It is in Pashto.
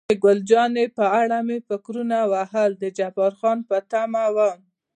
د ګل جانې په اړه مې فکرونه وهل، د جبار خان په تمه وم.